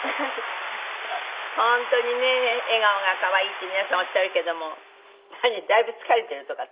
本当にね笑顔が可愛いって皆さんおっしゃるけどもだいぶ疲れているとかって。